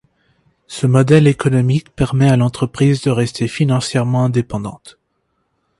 Ce modèle économique permet à l'entreprise de rester financièrement indépendante.